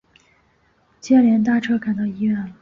接连搭车赶到了医院